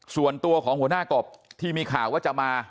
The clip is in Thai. ส่วนตัวของหัวหน้ากบที่มีข่าวว่าจะมา